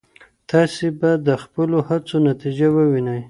تاسي به د خپلو هڅو نتيجه ووينئ.